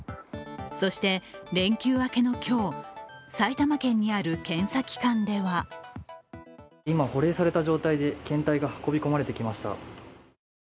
そして連休明けの今日、埼玉県にある検査機関では今、保冷された状態で検体が運び込まれてきました。